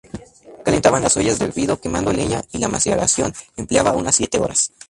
Calentaban las ollas de hervido quemando leña y la maceración empleaba una siete horas.